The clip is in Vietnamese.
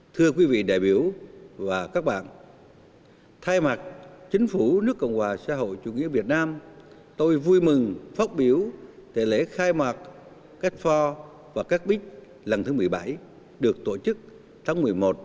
thưa quý vị đại biểu và các bạn thay mặt chính phủ nước cộng hòa xã hội chủ nghĩa việt nam tôi vui mừng phát biểu lễ khai mạc ca expo và ca expo lần thứ một mươi bảy được tổ chức tháng một mươi một